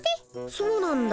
そうなんだ。